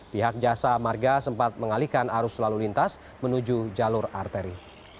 pihak jasa marga sempat mengalihkan arus lalu lintas menuju jalur arteri